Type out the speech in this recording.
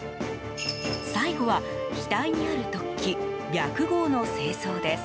最後は額にある突起白毫の清掃です。